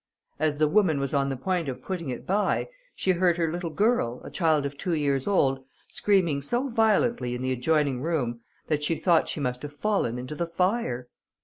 As the woman was on the point of putting it by, she heard her little girl, a child of two years old, screaming so violently in the adjoining room, that she thought she must have fallen into the fire.